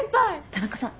田中さん